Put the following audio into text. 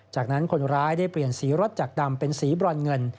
จากนั้นคนร้ายได้เปลี่ยนสีรถจากดำเป็นสีบรอนเงิน